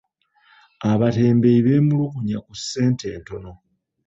Abatembeeyi beemulugunya ku ssente entono.